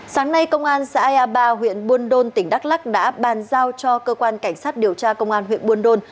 sáng nay công an xã ea ba huyện buôn đôn tỉnh đắk lắc đã bàn giao cho cơ quan cảnh sát điều tra công an huyện buôn đôn